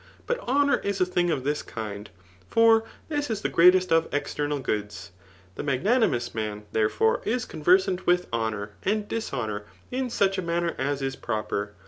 But hoaour is a thing of this kind ^ for this is the gt^eatest 6f external goods. The magna nimoQam^, therefore, is conversant with honour and disiiMour, in such a manner as is proper.